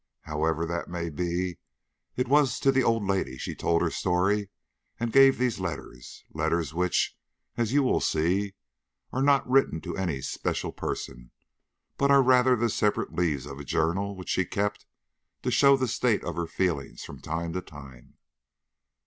However that may be, it was to the old lady she told her story and gave these letters letters which, as you will see, are not written to any special person, but are rather the separate leaves of a journal which she kept to show the state of her feelings from time to time."